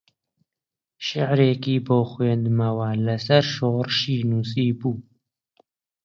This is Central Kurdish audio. شیعرێکی بۆ خوێندمەوە لەسەر شۆڕشی نووسیبوو